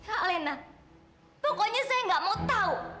alena pokoknya saya nggak mau tahu